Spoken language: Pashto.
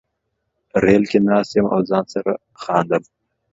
ریل کې ناست یم او ځان سره خاندم